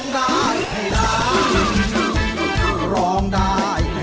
คือร้องได้ให้ร้อง